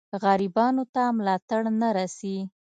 غریبانو ته ملاتړ نه رسي.